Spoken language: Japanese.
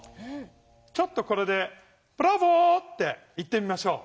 ちょっとこれで「ブラボー」って言ってみましょう。